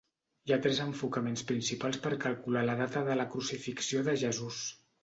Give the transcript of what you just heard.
Hi ha tres enfocaments principals per calcular la data de la crucifixió de Jesús.